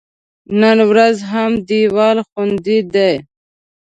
نن ورځ هم دیوال خوندي دی.